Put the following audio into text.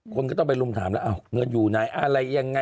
คุณก็ต้องไปรุ่นถามแล้วอ้าวเงินอยู่ไหนอะไรอย่างไร